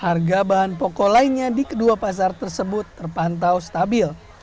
harga bahan pokok lainnya di kedua pasar tersebut terpantau stabil